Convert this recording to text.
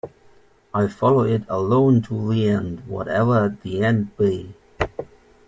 I follow it alone to the end, whatever the end be.